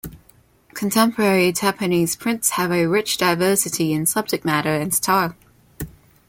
Contemporary Japanese prints have a rich diversity in subject matter and style.